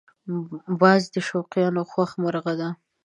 باز د شوقیانو خوښ مرغه دی